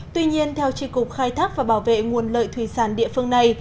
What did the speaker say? tuy nhiên theo tri cục khai thác và bảo vệ nguồn lợi thủy sản địa phương này